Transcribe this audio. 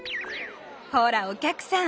ほらお客さん